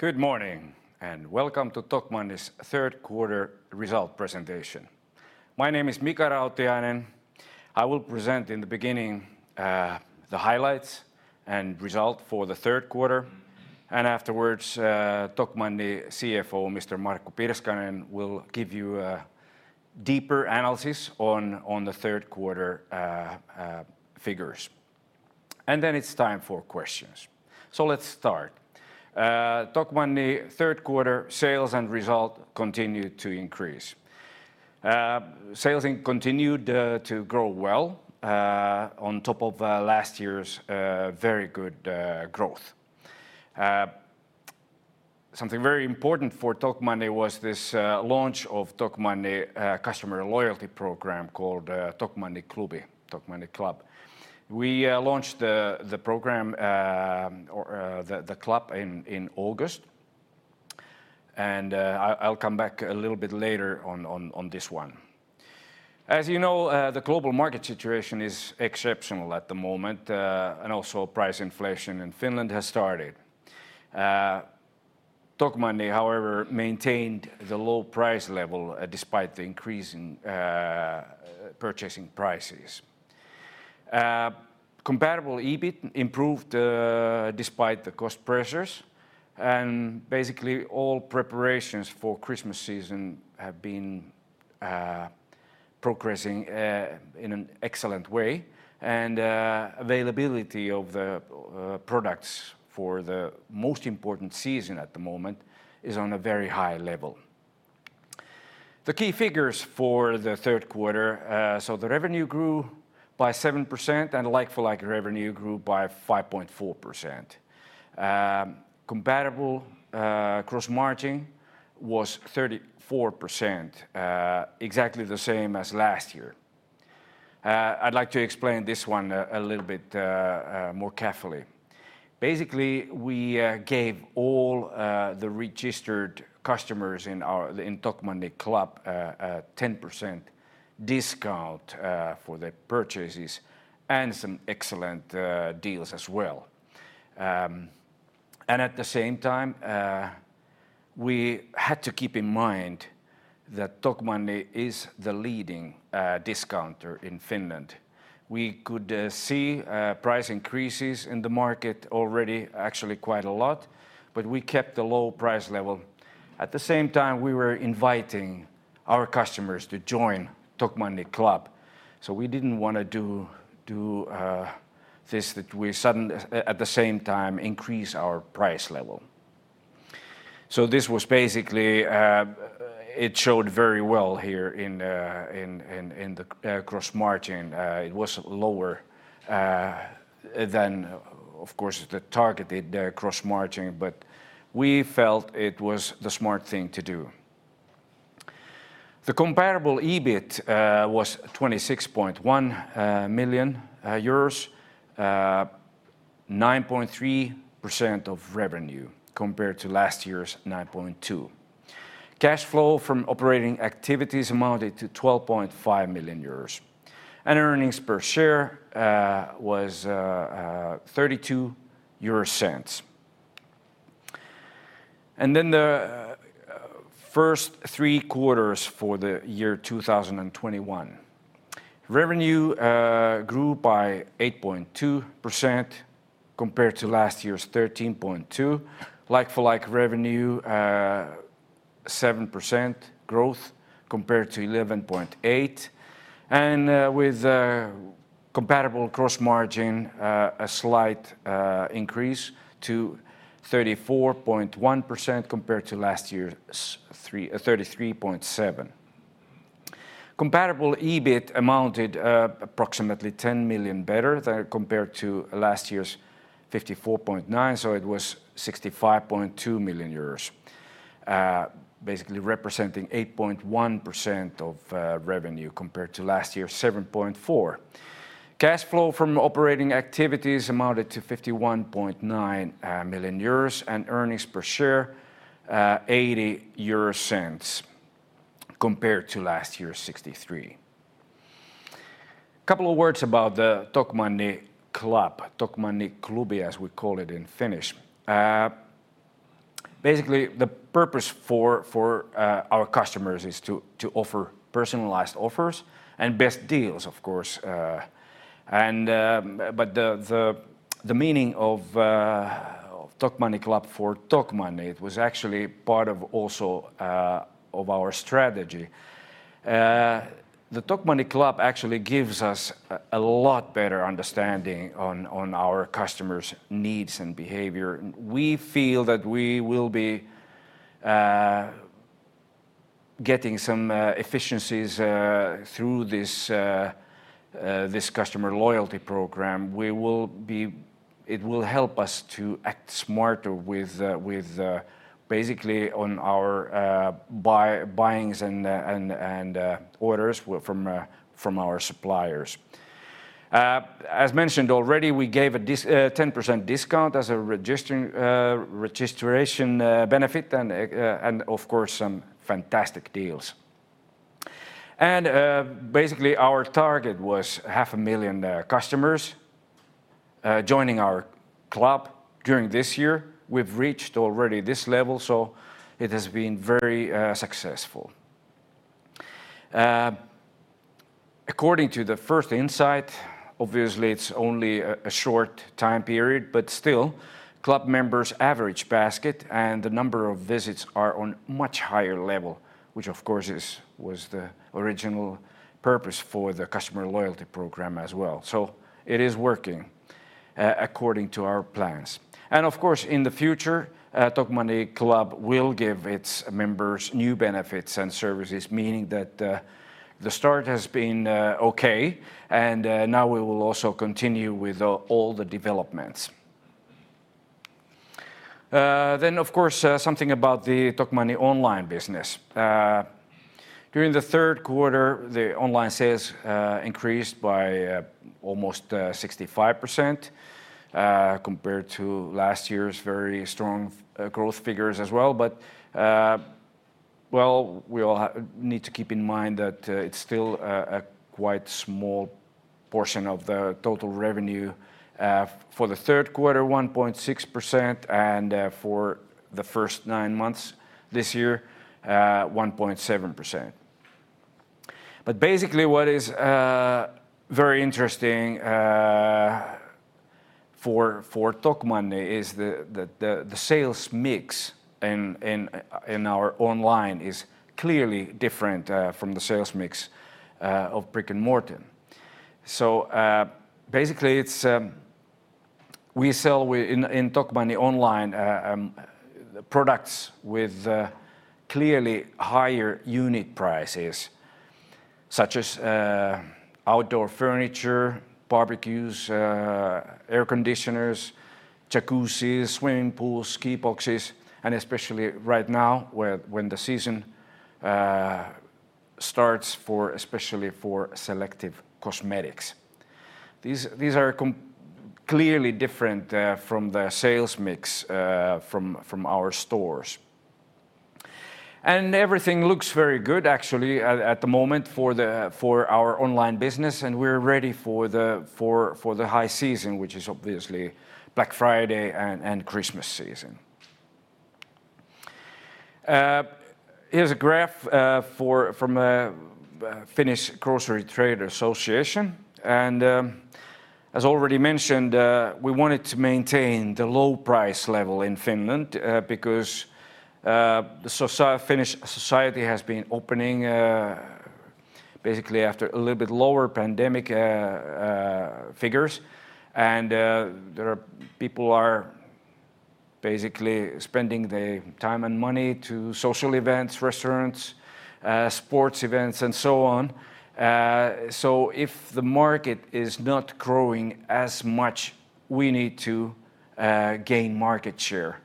Good morning, and welcome to Tokmanni's third quarter result presentation. My name is Mika Rautiainen. I will present in the beginning the highlights and result for the third quarter, and afterwards Tokmanni CFO, Mr. Markku Pirskanen, will give you a deeper analysis on the third quarter figures. It's time for questions. Let's start. Tokmanni third quarter sales and result continued to increase. Sales continued to grow well on top of last year's very good growth. Something very important for Tokmanni was this launch of Tokmanni customer loyalty program called Tokmanni Klubi, Tokmanni Club. We launched the program or the club in August, and I'll come back a little bit later on this one. As you know, the global market situation is exceptional at the moment, and also price inflation in Finland has started. Tokmanni, however, maintained the low price level, despite the increase in purchasing prices. Comparable EBIT improved, despite the cost pressures, and basically all preparations for Christmas season have been progressing in an excellent way. Availability of the products for the most important season at the moment is on a very high level. The key figures for the third quarter, so the revenue grew by 7% and like-for-like revenue grew by 5.4%. Comparable gross margin was 34%, exactly the same as last year. I'd like to explain this one a little bit more carefully. Basically, we gave all the registered customers in Tokmanni Club 10% discount for their purchases and some excellent deals as well. At the same time we had to keep in mind that Tokmanni is the leading discounter in Finland. We could see price increases in the market already, actually quite a lot, but we kept a low price level. At the same time, we were inviting our customers to join Tokmanni Club, so we didn't wanna do this that we at the same time increase our price level. This was basically, it showed very well here in the gross margin. It was lower, than of course the targeted gross margin, but we felt it was the smart thing to do. The comparable EBIT was 26.1 million euros, 9.3% of revenue compared to last year's 9.2%. Cash flow from operating activities amounted to 12.5 million euros. Earnings per share was 0.32. The first three quarters for the year 2021. Revenue grew by 8.2% compared to last year's 13.2%. Like-for-like revenue 7% growth compared to 11.8%. With comparable gross margin, a slight increase to 34.1% compared to last year's 33.7%. Comparable EBIT amounted approximately 10 million better, compared to last year's 54.9 million, so it was 65.2 million euros, basically representing 8.1% of revenue compared to last year's 7.4%. Cash flow from operating activities amounted to 51.9 million euros, and earnings per share 0.80 compared to last year's 0.63. Couple of words about the Tokmanni Club, Tokmanni Klubi as we call it in Finnish. Basically the purpose for our customers is to offer personalized offers and best deals, of course. But the meaning of Tokmanni Club for Tokmanni, it was actually also part of our strategy. The Tokmanni Club actually gives us a lot better understanding on our customers' needs and behavior. We feel that we will be getting some efficiencies through this customer loyalty program. It will help us to act smarter with basically on our buyings and orders from our suppliers. As mentioned already, we gave a 10% discount as a registration benefit and of course some fantastic deals. Basically our target was 500,000 customers joining our club during this year. We've reached already this level, so it has been very successful. According to the first insight, obviously it's only a short time period, but still club members' average basket and the number of visits are on much higher level, which of course was the original purpose for the customer loyalty program as well. It is working according to our plans. Of course, in the future, Tokmanni Club will give its members new benefits and services, meaning that the start has been okay, and now we will also continue with all the developments. Of course, something about the Tokmanni online business. During the third quarter, the online sales increased by almost 65%, compared to last year's very strong growth figures as well. Well, we all need to keep in mind that it's still a quite small portion of the total revenue. For the third quarter, 1.6%, and for the first nine months this year, 1.7%. Basically what is very interesting for Tokmanni is the sales mix in our online is clearly different from the sales mix of brick-and-mortar. So, basically it's we sell in Tokmanni online products with clearly higher unit prices such as outdoor furniture, barbecues, air conditioners, jacuzzis, swimming pools, ski boxes, and especially right now when the season starts for especially selective cosmetics. These are clearly different from the sales mix from our stores. Everything looks very good actually at the moment for our online business, and we're ready for the high season, which is obviously Black Friday and Christmas season. Here's a graph from Finnish Grocery Trade Association, and as already mentioned, we wanted to maintain the low price level in Finland because Finnish society has been opening basically after a little bit lower pandemic figures and people are basically spending their time and money to social events, restaurants, sports events, and so on. If the market is not growing as much, we need to gain market share.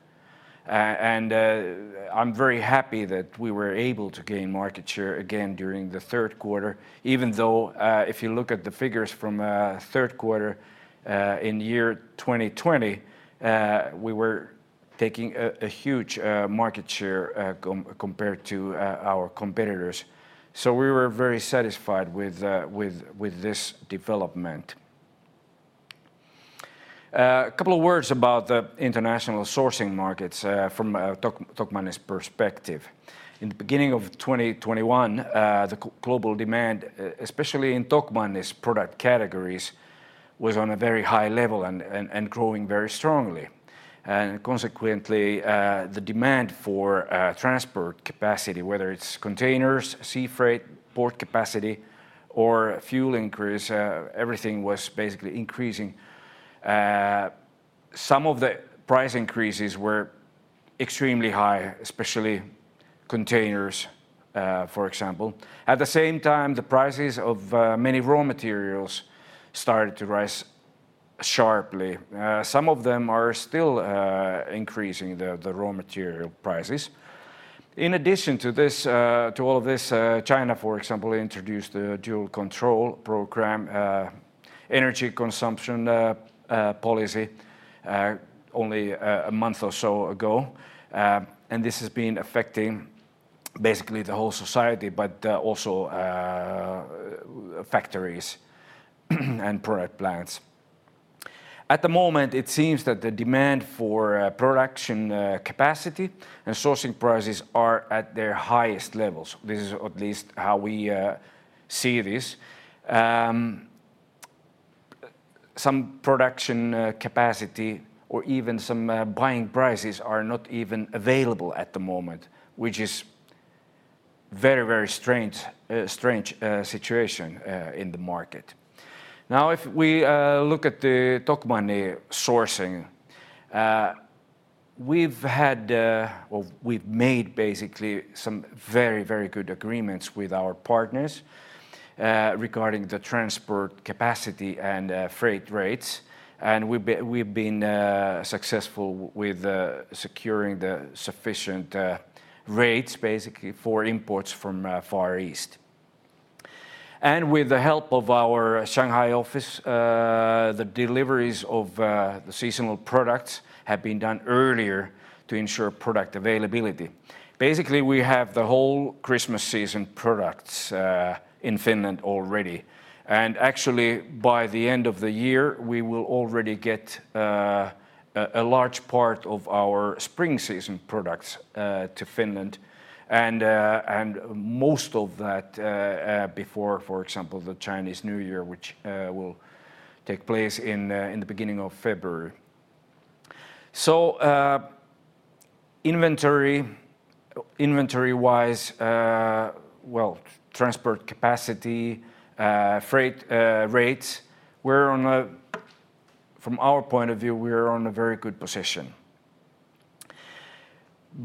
I'm very happy that we were able to gain market share again during the third quarter even though if you look at the figures from third quarter in year 2020 we were taking a huge market share compared to our competitors. We were very satisfied with this development. A couple of words about the international sourcing markets from Tokmanni's perspective. In the beginning of 2021, global demand especially in Tokmanni's product categories was on a very high level and growing very strongly. Consequently, the demand for transport capacity, whether it's containers, sea freight, port capacity, or fuel, increased. Everything was basically increasing. Some of the price increases were extremely high, especially containers, for example. At the same time, the prices of many raw materials started to rise sharply. Some of them are still increasing the raw material prices. In addition to this, to all of this, China, for example, introduced a dual control energy consumption policy only a month or so ago. This has been affecting basically the whole society, but also factories and product plants. At the moment, it seems that the demand for production capacity and sourcing prices are at their highest levels. This is at least how we see this. Some production capacity or even some buying prices are not even available at the moment, which is a very strange situation in the market. Now, if we look at the Tokmanni sourcing, we've made basically some very good agreements with our partners regarding the transport capacity and freight rates, and we've been successful with securing the sufficient rates basically for imports from Far East. With the help of our Shanghai office, the deliveries of the seasonal products have been done earlier to ensure product availability. Basically, we have the whole Christmas season products in Finland already, and actually by the end of the year, we will already get a large part of our spring season products to Finland and most of that before, for example, the Chinese New Year, which will take place in the beginning of February. Inventory-wise, well, transport capacity, freight rates. From our point of view, we're in a very good position.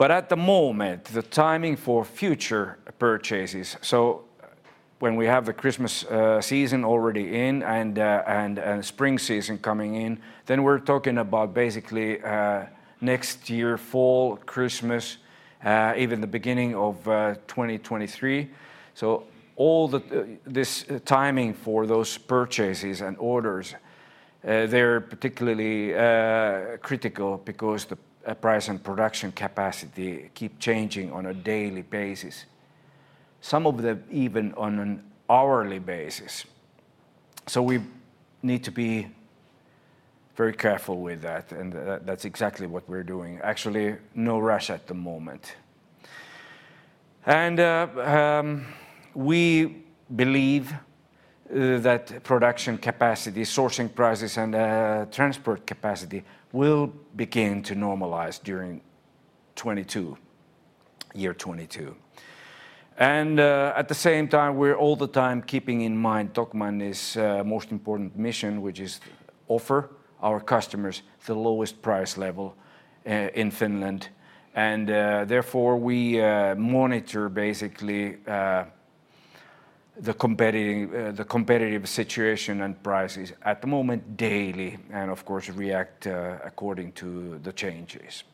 At the moment, the timing for future purchases, so when we have the Christmas season already in and spring season coming in, then we're talking about basically next year's fall, Christmas, even the beginning of 2023. All this timing for those purchases and orders, they're particularly critical because the price and production capacity keep changing on a daily basis. Some of them even on an hourly basis. We need to be very careful with that, and that's exactly what we're doing. Actually, no rush at the moment. We believe that production capacity, sourcing prices, and transport capacity will begin to normalize during 2022, year 2022. At the same time, we're all the time keeping in mind Tokmanni's most important mission, which is offer our customers the lowest price level in Finland and therefore, we monitor basically the competitive situation and prices at the moment daily and of course react according to the changes.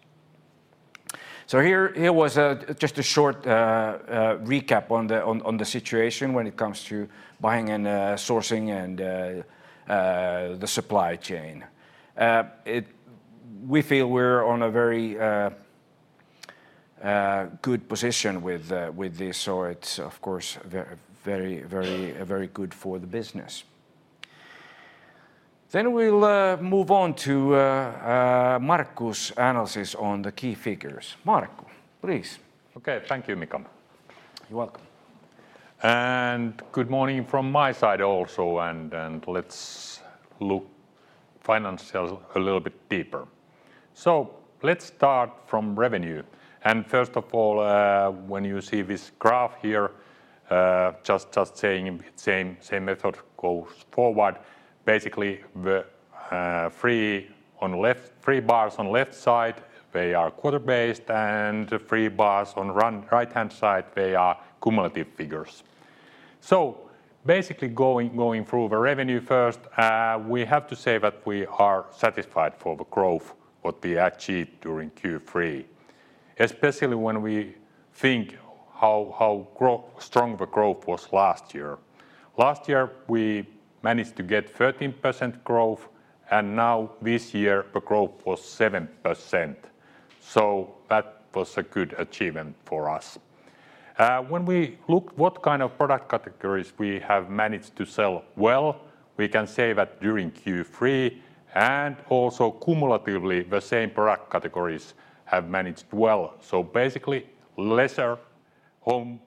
Here was just a short recap on the situation when it comes to buying and sourcing and the supply chain. We feel we're on a very good position with this, so it's of course very good for the business. We'll move on to Markku's analysis on the key figures. Markku, please. Okay. Thank you, Mika. You're welcome. Good morning from my side also, let's look at financials a little bit deeper. Let's start from revenue. First of all, when you see this graph here, just saying same method goes forward. Basically the three on left, three bars on left side, they are quarter-based, and the three bars on right-hand side, they are cumulative figures. Basically going through the revenue first, we have to say that we are satisfied for the growth what we achieved during Q3, especially when we think how strong the growth was last year. Last year we managed to get 13% growth, and now this year the growth was 7%. That was a good achievement for us. When we look what kind of product categories we have managed to sell well, we can say that during Q3 and also cumulatively the same product categories have managed well. Basically leisure, home,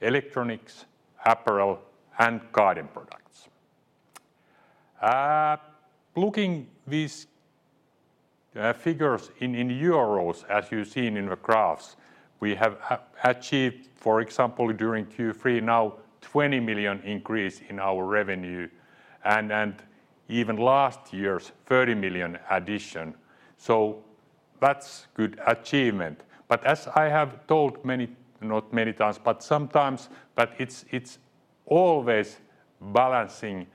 electronics, apparel and garden products. Looking these figures in euros as you seen in the graphs, we have achieved, for example, during Q3 now 20 million increase in our revenue and even last year's 30 million addition, so that's good achievement. As I have told many not many times, but sometimes, it's always balancing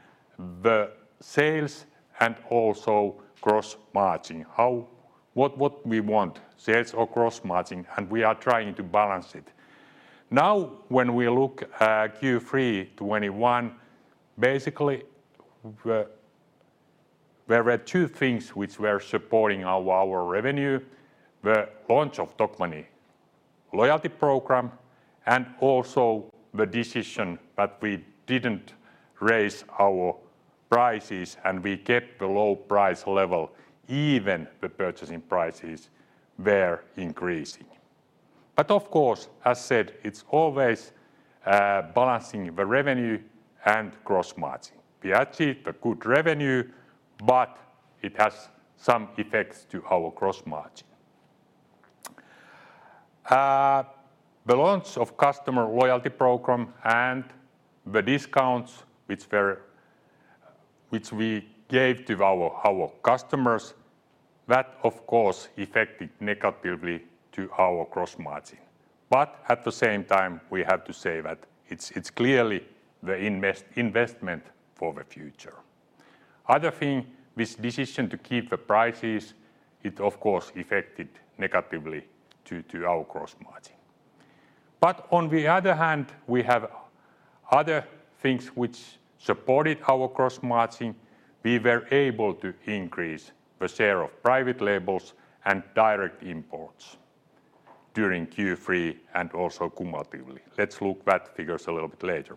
the sales and also gross margin. What we want, sales or gross margin? We are trying to balance it. Now when we look at Q3 2021, basically there were two things which were supporting our revenue: the launch of Tokmanni loyalty program and also the decision that we didn't raise our prices and we kept the low price level even the purchasing prices were increasing. Of course, as said, it's always balancing the revenue and gross margin. We achieved a good revenue, but it has some effects to our gross margin. The launch of customer loyalty program and the discounts which we gave to our customers, that of course affected negatively to our gross margin, but at the same time we have to say that it's clearly the investment for the future. Other thing, this decision to keep the prices, it of course affected negatively to our gross margin. On the other hand, we have other things which supported our gross margin. We were able to increase the share of private labels and direct imports during Q3 and also cumulatively. Let's look at those figures a little bit later.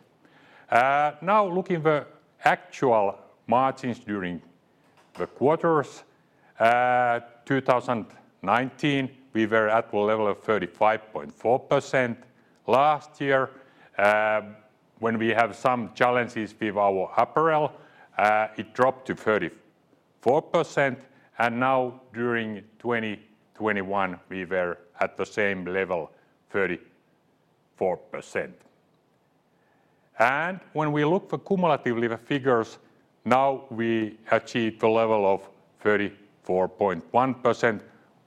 Now looking at the actual margins during the quarters, 2019, we were at the level of 35.4%. Last year, when we have some challenges with our apparel, it dropped to 34%. Now during 2021, we were at the same level, 34%. When we look at cumulatively the figures, now we achieved a level of 34.1%,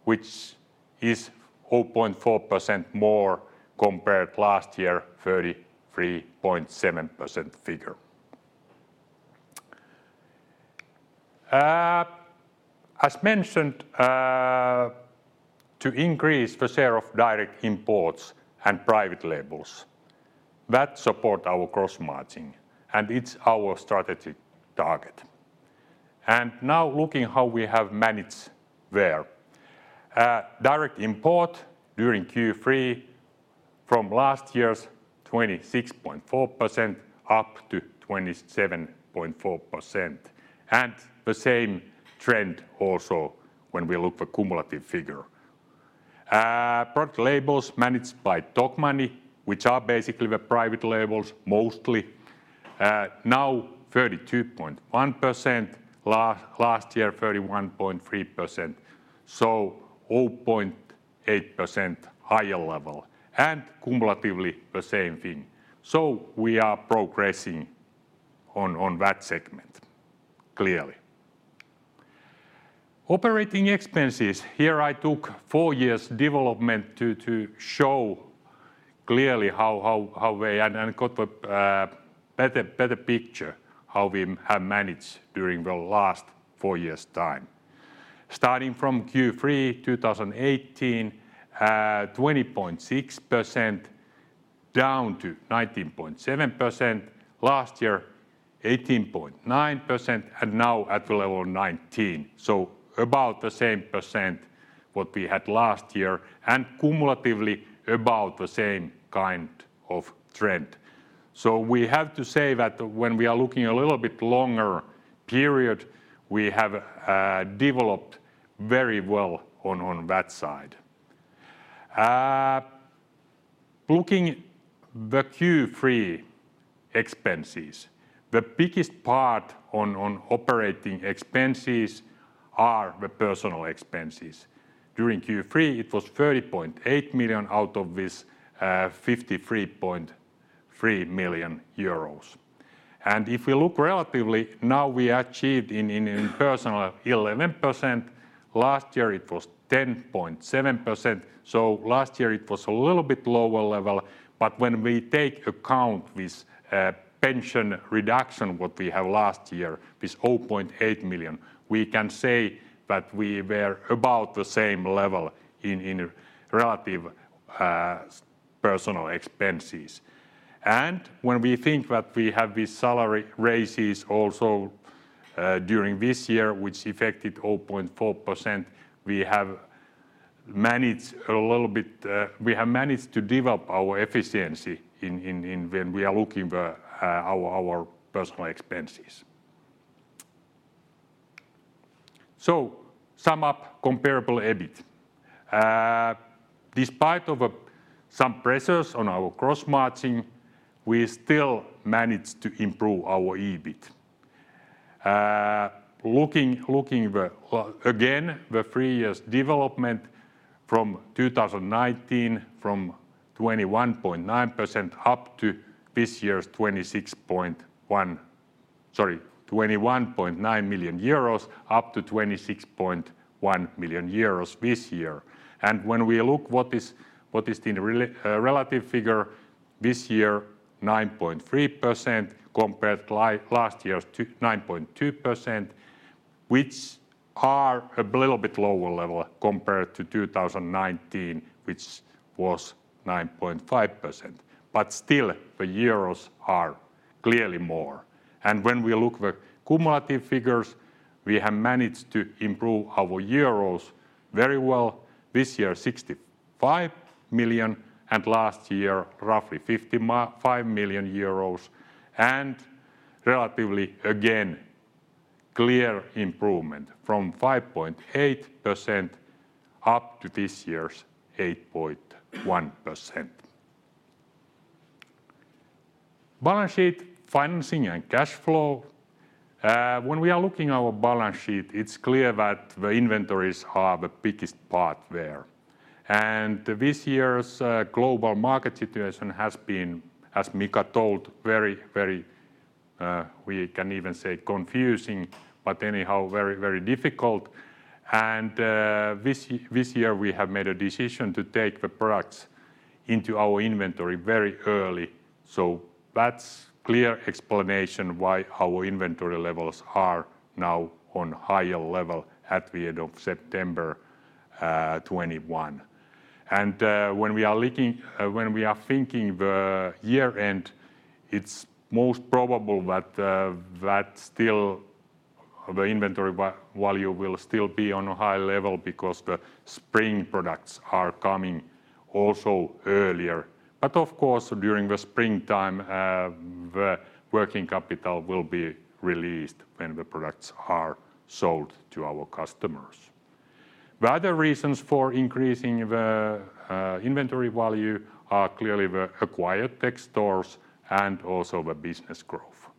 which is 0.4% more compared to last year, 33.7% figure. As mentioned, to increase the share of direct imports and private labels, that support our gross margin, and it's our strategic target. Now looking how we have managed there. Direct import during Q3 from last year's 26.4% up to 27.4%. The same trend also when we look for cumulative figure. Product labels managed by Tokmanni, which are basically the private labels mostly, now 32.1%. Last year, 31.3%. 0.8% higher level, and cumulatively the same thing. We are progressing on that segment, clearly. Operating expenses. Here I took four years' development to show clearly how we got a better picture how we have managed during the last four years' time. Starting from Q3 2018, 20.6% down to 19.7%. Last year, 18.9%, and now at the level 19%. About the same percent what we had last year, and cumulatively about the same kind of trend. We have to say that when we are looking a little bit longer period, we have developed very well on that side. Looking at the Q3 expenses, the biggest part on operating expenses are the personnel expenses. During Q3, it was 30.8 million out of this 53.3 million euros. If we look relatively, now we achieved in personnel 11%. Last year it was 10.7%, so last year it was a little bit lower level. When we take into account this pension reduction what we had last year, this 0.8 million, we can say that we were about the same level in relative personnel expenses. When we think that we have these salary raises also during this year, which affected 0.4%, we have managed a little bit to develop our efficiency when we are looking at our personnel expenses. To sum up, comparable EBIT. Despite some pressures on our gross margin, we still managed to improve our EBIT. Looking at the three years' development from 2019, from 21.9% up to this year's 26.1 million. Sorry, 21.9 million euros up to 26.1 million euros this year. When we look at the relative figure, this year 9.3% compared last year's 9.2%, which are a little bit lower level compared to 2019, which was 9.5%. Still, the euros are clearly more. When we look at the cumulative figures, we have managed to improve our euros very well. This year 65 million, and last year roughly 55 million euros. Relatively again, clear improvement from 5.8% up to this year's 8.1%. Balance sheet, financing, and cash flow. When we are looking at our balance sheet, it's clear that the inventories are the biggest part there. This year's global market situation has been, as Mika told, very, we can even say confusing, but anyhow very difficult. This year we have made a decision to take the products into our inventory very early. That's a clear explanation why our inventory levels are now on a higher level at the end of September 2021. When we are thinking the year-end, it's most probable that the inventory value will still be on a high level because the spring products are coming also earlier. Of course, during the springtime, the working capital will be released when the products are sold to our customers. The other reasons for increasing the inventory value are clearly the acquired TEX stores and also the business growth.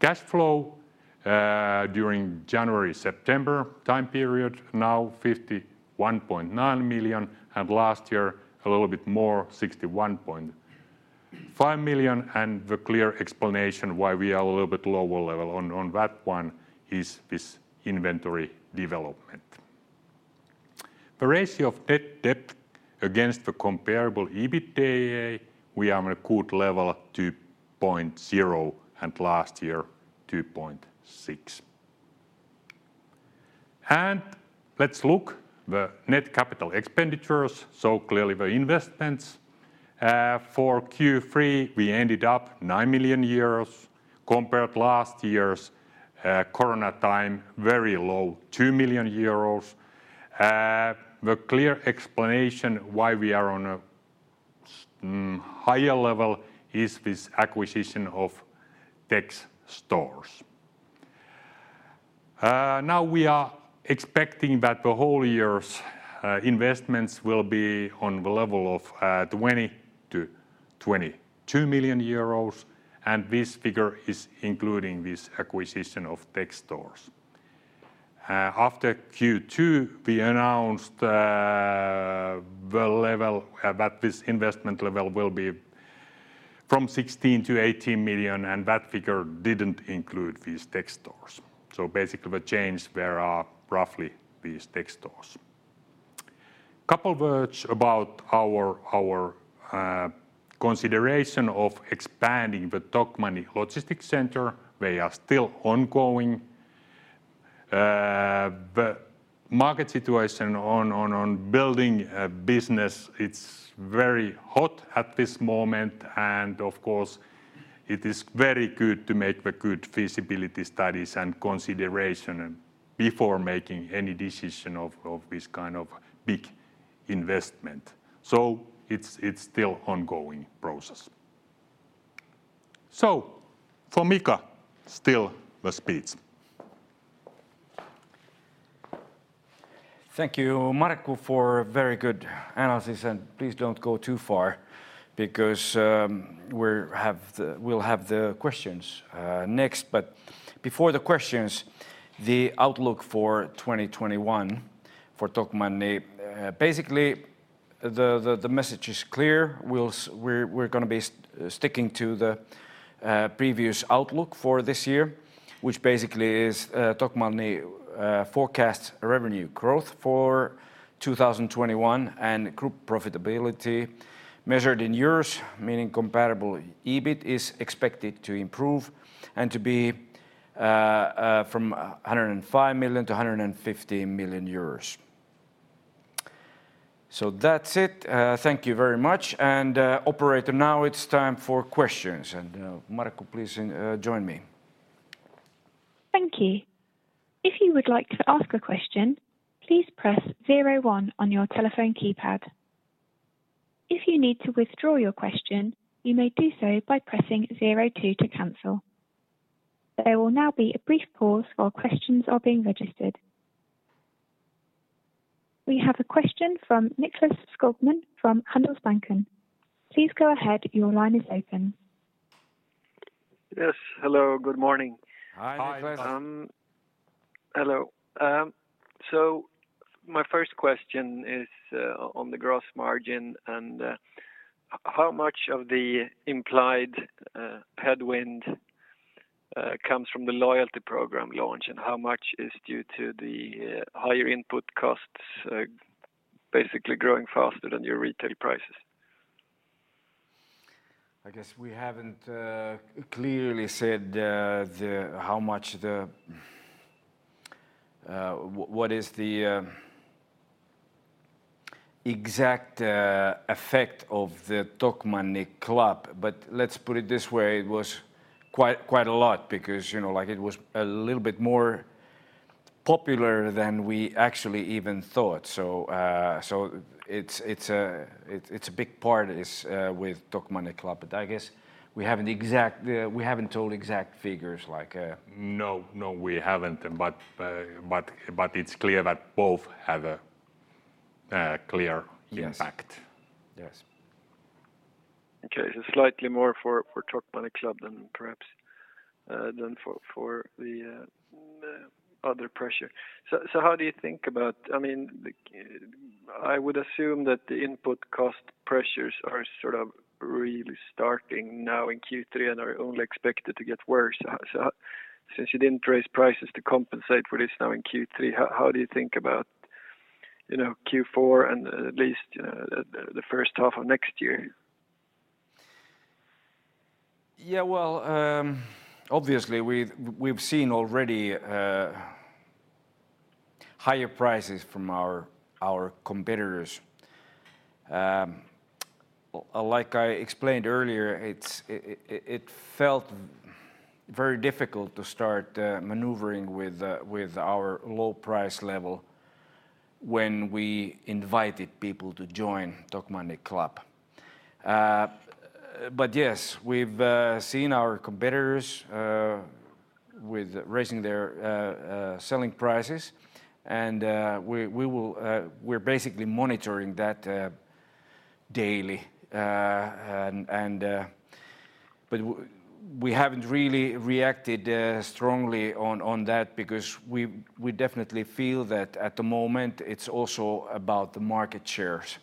Cash flow during January-September time period, now 51.9 million and last year a little bit more, 61.5 million, and the clear explanation why we are a little bit lower level on that one is this inventory development. The ratio of net debt against the comparable EBITDA, we are on a good level, 2.0x, and last year, 2.6x. Let's look at the net capital expenditures, so clearly the investments. For Q3, we ended up 9 million euros compared to last year's corona time, very low, 2 million euros. The clear explanation why we are on a higher level is this acquisition of TEX stores. Now we are expecting that the whole year's investments will be on the level of 20 million-22 million euros, and this figure is including this acquisition of TEX stores. After Q2, we announced the level that this investment level will be from 16 million-18 million, and that figure didn't include these TEX stores. Basically the change there are roughly these TEX stores. Couple words about our consideration of expanding the Tokmanni logistics center. They are still ongoing. The market situation on building a business, it's very hot at this moment, and of course it is very good to make the good feasibility studies and consideration before making any decision of this kind of big investment. It's still ongoing process. For Mika, still the speech. Thank you, Markku, for a very good analysis, and please don't go too far because we'll have the questions next. Before the questions, the outlook for 2021 for Tokmanni. Basically the message is clear. We're gonna be sticking to the previous outlook for this year, which basically is Tokmanni forecasts revenue growth for 2021 and group profitability measured in euros, meaning comparable EBIT is expected to improve and to be from 105 million to 115 million euros. That's it. Thank you very much. Operator, now it's time for questions. Markku, please join me. We have a question from Nicklas Skogman from Handelsbanken. Please go ahead. Your line is open. Yes. Hello, good morning. Hi, Nicklas. Hi. Hello. My first question is on the gross margin and how much of the implied headwind comes from the loyalty program launch and how much is due to the higher input costs basically growing faster than your retail prices? I guess we haven't clearly said how much, what is the exact effect of the Tokmanni Club, but let's put it this way. It was quite a lot because, you know, like, it was a little bit more popular than we actually even thought. It's a big part is with Tokmanni Club, but I guess we haven't told exact figures like. No, we haven't. It's clear that both have a clear impact. Yes. Yes. Okay. Slightly more for Tokmanni Club than perhaps for the other pressure. How do you think about it? I mean, I would assume that the input cost pressures are sort of really starting now in Q3 and are only expected to get worse. Since you didn't raise prices to compensate for this now in Q3, how do you think about, you know, Q4 and at least the first half of next year? Yeah. Well, obviously we've seen already higher prices from our competitors. Like I explained earlier, it felt very difficult to start maneuvering with our low price level when we invited people to join Tokmanni Club. Yes, we've seen our competitors with raising their selling prices and we're basically monitoring that daily. We haven't really reacted strongly on that because we definitely feel that at the moment it's also about the market shares.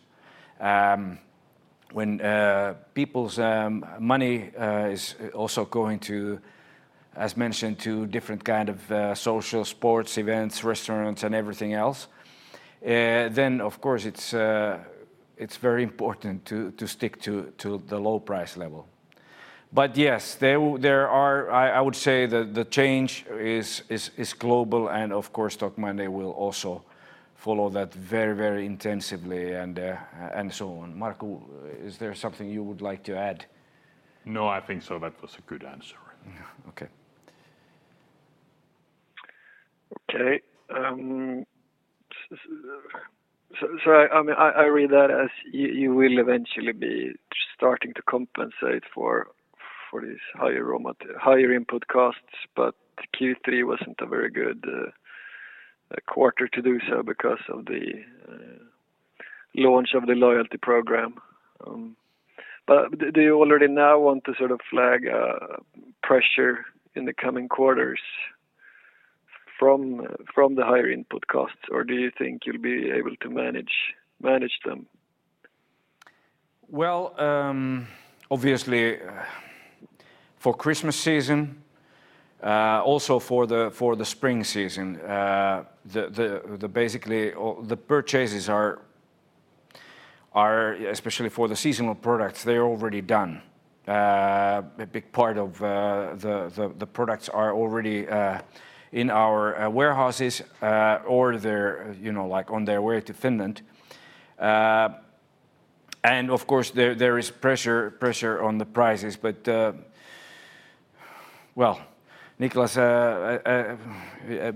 When people's money is also going to, as mentioned, to different kind of social sports events, restaurants and everything else, then of course it's very important to stick to the low price level. Yes, there are. I would say the change is global and of course Tokmanni will also follow that very intensively and so on. Markku, is there something you would like to add? No, I think so. That was a good answer. Yeah. Okay. Okay. I mean, I read that as you will eventually be starting to compensate for this higher input costs. Q3 wasn't a very good quarter to do so because of the launch of the loyalty program. Do you already now want to sort of flag pressure in the coming quarters from the higher input costs or do you think you'll be able to manage them? Well, obviously for Christmas season, also for the spring season, basically all the purchases are especially for the seasonal products, they're already done. A big part of the products are already in our warehouses, or they're, you know, like, on their way to Finland. Of course there is pressure on the prices. Well, Nicklas,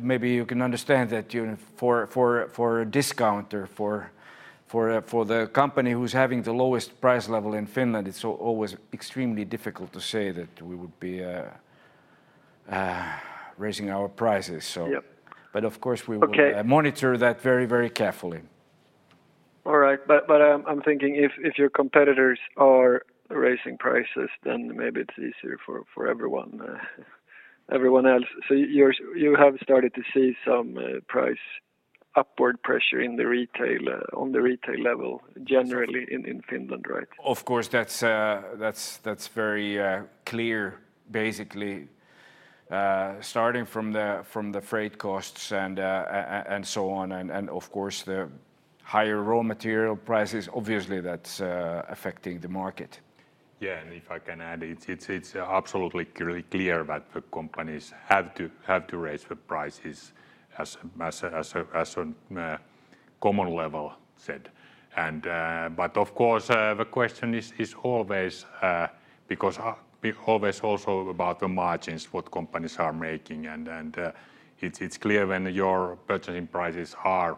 maybe you can understand that for a discounter, for the company who's having the lowest price level in Finland, it's always extremely difficult to say that we would be raising our prices. Yep. Of course we will. Okay Monitor that very, very carefully. All right. I'm thinking if your competitors are raising prices, then maybe it's easier for everyone else. You have started to see some price upward pressure in the retail, on the retail level generally in Finland, right? Of course, that's very clear. Basically, starting from the freight costs and so on and of course the higher raw material prices, obviously that's affecting the market. Yeah. If I can add, it's absolutely clear that the companies have to raise the prices as a common level set. Of course, the question is always also about the margins what companies are making. It's clear when your purchasing prices are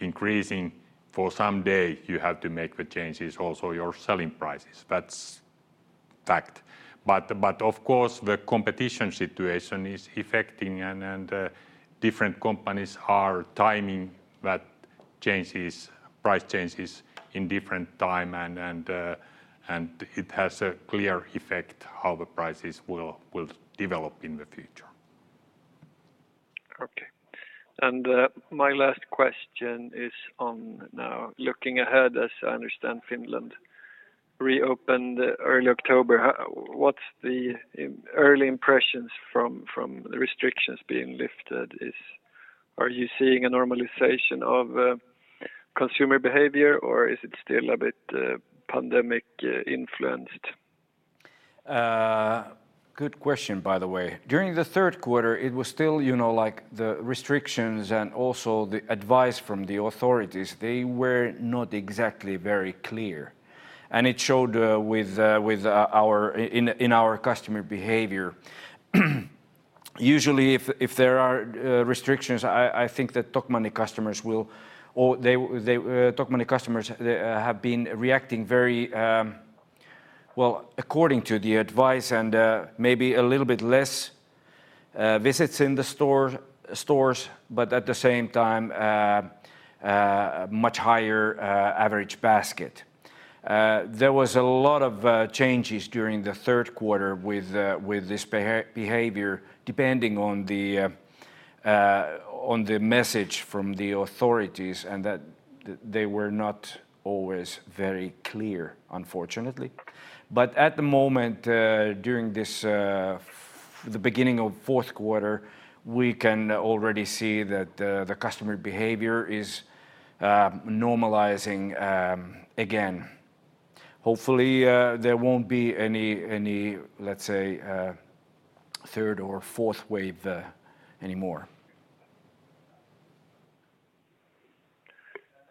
increasing for some day you have to make the changes also your selling prices. That's fact. Of course, the competition situation is affecting, and different companies are timing that changes, price changes in different time, and it has a clear effect how the prices will develop in the future. Okay. My last question is on now looking ahead. As I understand, Finland reopened early October. What's the early impressions from the restrictions being lifted? Are you seeing a normalization of consumer behavior or is it still a bit pandemic influenced? Good question, by the way. During the third quarter, it was still, you know, like the restrictions and also the advice from the authorities, they were not exactly very clear and it showed with our customer behavior. Usually if there are restrictions, I think that Tokmanni customers will or they Tokmanni customers have been reacting very well according to the advice and maybe a little bit less visits in the stores, but at the same time, much higher average basket. There was a lot of changes during the third quarter with this behavior depending on the message from the authorities and that they were not always very clear, unfortunately. At the moment, during this, the beginning of fourth quarter, we can already see that, the customer behavior is, normalizing, again. Hopefully, there won't be any, let's say, third or fourth wave, anymore.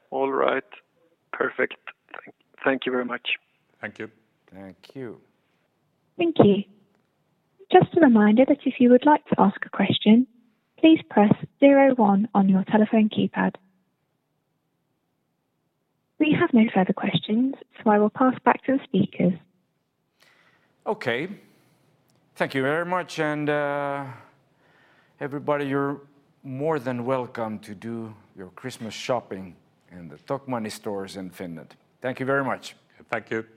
All right. Perfect. Thank you very much. Thank you. Thank you. Thank you. Just a reminder that if you would like to ask a question, please press zero one on your telephone keypad. We have no further questions, so I will pass back to the speakers. Okay. Thank you very much. Everybody, you're more than welcome to do your Christmas shopping in the Tokmanni stores in Finland. Thank you very much. Thank you.